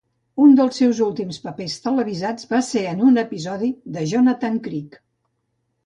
Un dels seus últims papers televisats va ser en un episodi de Jonathan Creek.